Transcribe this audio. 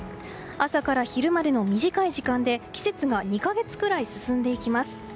朝から昼までの短い時間で季節が２か月くらい進んでいきます。